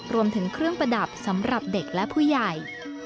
รวมถึงเครื่องประดับสำหรับเด็กและผู้ใหญ่